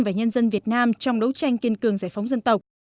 và nhân dân việt nam trong đấu tranh kiên cường giải phóng dân tộc